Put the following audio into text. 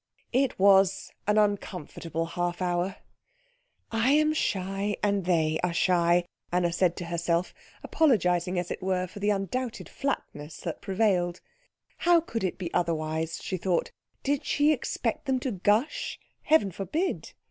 It was an uncomfortable half hour. "I am shy, and they are shy," Anna said to herself, apologising as it were for the undoubted flatness that prevailed. How could it be otherwise, she thought? Did she expect them to gush? Heaven forbid.